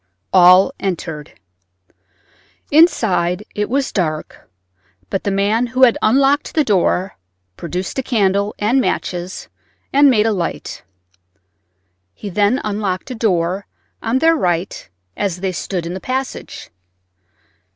All entered. Inside it was dark, but the man who had unlocked the door produced a candle and matches and made a light. He then unlocked a door on their right as they stood in the passage.